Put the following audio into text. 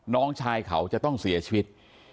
น้องชายเขาจะต้องเสียชีวิต